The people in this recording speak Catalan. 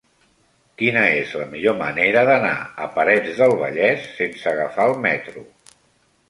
Quina és la millor manera d'anar a Parets del Vallès sense agafar el metro?